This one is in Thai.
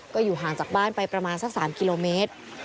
ก็อยู่ห่างจากบ้านไปประมาณสัก๓กิโลเมตร